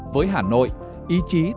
với hà nội ý chí tự nhiên